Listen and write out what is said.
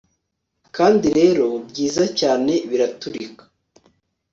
kandi rero ,, byiza cyane, biraturika